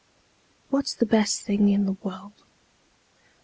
What's the best thing in the world?